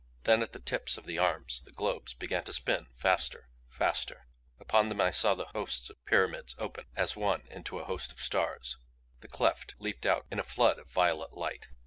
Then at the tips of the arms the globes began to spin faster, faster. Upon them I saw the hosts of the pyramids open as one into a host of stars. The cleft leaped out in a flood of violet light.